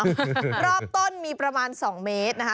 รอบต้นมีประมาณ๒เมตรนะคะ